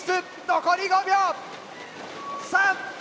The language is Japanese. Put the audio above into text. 残り５秒！